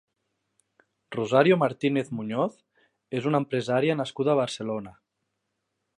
Rosario Martínez Muñoz és una empresaria nascuda a Barcelona.